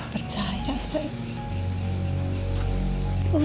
percaya sama aida